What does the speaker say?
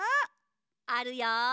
あるよ。